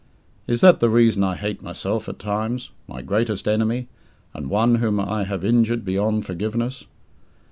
Is that the reason I hate myself at times my greatest enemy, and one whom I have injured beyond forgiveness?